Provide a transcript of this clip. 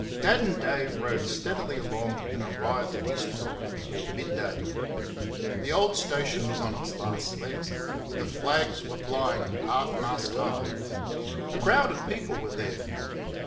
Dad and Dave rode steadily along and arrived at Eastbrook before mid day. The old station was on its last legs. "The flags were flying half mast high." A crowd of people were there.